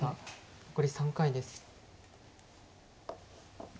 残り３回です。